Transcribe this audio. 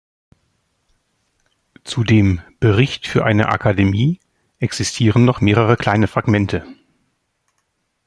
Zu dem "Bericht für eine Akademie" existieren noch mehrere kleine Fragmente.